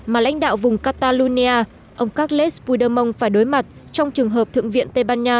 mà lãnh đạo vùng catalun nha ông carles puidemont phải đối mặt trong trường hợp thượng viện tây ban nha